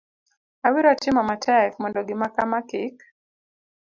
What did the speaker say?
abiro timo matek mondo gimakama kik